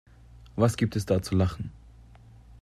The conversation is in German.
Was gibt es da zu lachen?